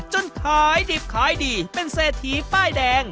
ขายดิบขายดีเป็นเศรษฐีป้ายแดง